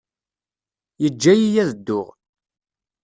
Yeǧǧa-iyi ad dduɣ.